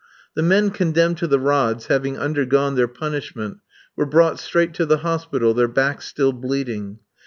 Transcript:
The men condemned to the rods, having undergone their punishment, were brought straight to the hospital, their backs still bleeding.